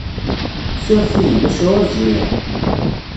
Ssuref-iyi, maca ur zmireɣ.